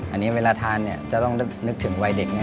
อันนี้เวลาทานเนี่ยจะต้องนึกถึงวัยเด็กไม่ร้อย